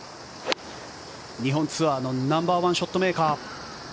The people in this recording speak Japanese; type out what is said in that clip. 日本ツアーのナンバーワンショットメーカー。